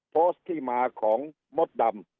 โพสต์ที่มาของมดดำ